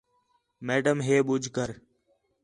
میڈم ہے ٻُجھ کر